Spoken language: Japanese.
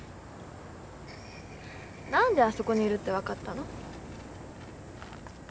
何であそこにいるって分かったの？